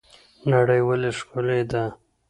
نړۍ ولې ښکلې ده؟